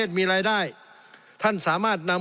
สงบจนจะตายหมดแล้วครับ